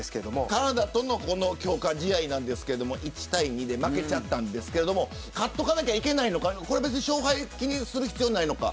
カナダとの強化試合なんですが１対２で負けちゃったんですけど勝っておかなきゃいけないのか勝敗は気にする必要はないのか。